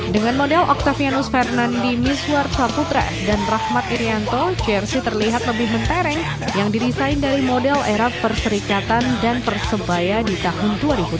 dengan model octavianus fernandi miswar saputra dan rahmat irianto jersi terlihat lebih mentereng yang didesain dari model era perserikatan dan persebaya di tahun dua ribu tujuh belas